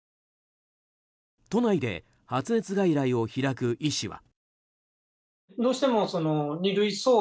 都内で発熱外来を開く医師は。